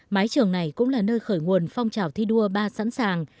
mái trường này cũng là nơi khởi nguồn phong trào thi đua ba sẵn sàng